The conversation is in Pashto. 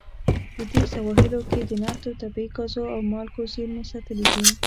د دې سواحلو کې د نفتو، طبیعي ګازو او مالګو زیرمې ساتلې دي.